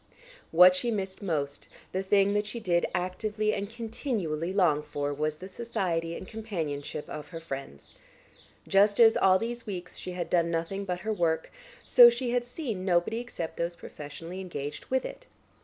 What she missed most, the thing that she did actively and continually long for was the society and companionship of her friends. Just as, all these weeks, she had done nothing but her work, so she had seen nobody except those professionally engaged with it.